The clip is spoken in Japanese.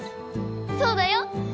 そうだよ！